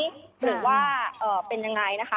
หรือว่าเป็นยังไงนะคะ